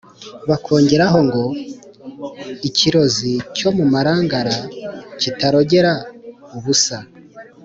bakongeraho ngo "ikirozi cyo mu marangara kitarogera ubusa